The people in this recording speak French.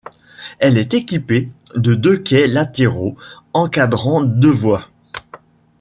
Elle est équipée de deux quais latéraux, encadrant deux voies.